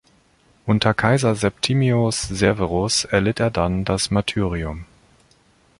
Unter Kaiser Septimius Severus erlitt er dann das Martyrium.